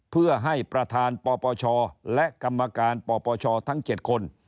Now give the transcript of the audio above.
เพื่อให้ประธานปปชและกรรมการปปชทั้ง๗คน